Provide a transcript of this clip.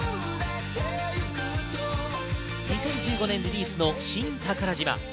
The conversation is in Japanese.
２０１５年リリースの『新宝島』。